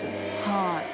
はい。